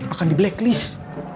akan di blacklist